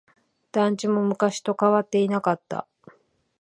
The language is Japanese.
団地も昔と変わっていなかった。